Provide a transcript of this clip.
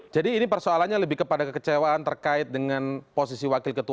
jadi ini persoalannya lebih kepada kekecewaan terkait dengan posisi wakil ketua